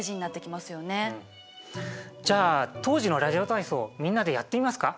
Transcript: じゃあ当時のラジオ体操をみんなでやってみますか？